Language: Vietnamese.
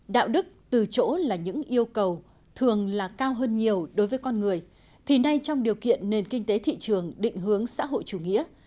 đạo đức từ chỗ là những yêu cầu thường là cao hơn nhiều đối với con người thì nay trong điều kiện nền kinh tế thị trường định hướng xã hội chủ nghĩa